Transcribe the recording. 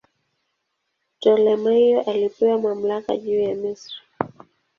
Ptolemaio alipewa mamlaka juu ya Misri.